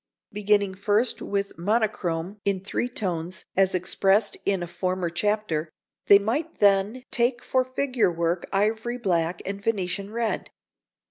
Beginning first with monochrome in three tones, as explained in a former chapter, they might then take for figure work ivory black and Venetian red.